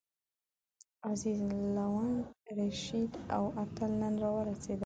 عزیز، لونګ، رشید او اتل نن راورسېدل.